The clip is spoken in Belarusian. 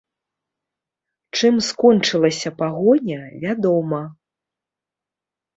Чым скончылася пагоня, вядома.